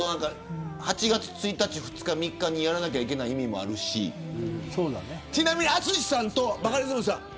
８月１日、２日、３日にやらなければいけない意味もあるしちなみに淳さんとバカリズムさん